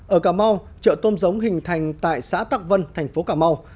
ở cà mau chợ tôm giống hình thành tại xã tạc vân thành phố cà mau